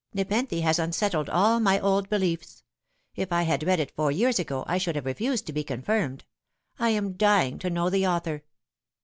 Nepenthe has unsettled all my old beliefs. If I had read it four years ago I should have refused to be confirmed. I am dying to know the author."